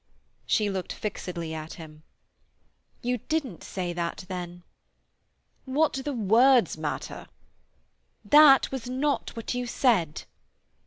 She looked fixedly at him. "You didn't say that then." "What do the words matter?" "That was not what you said."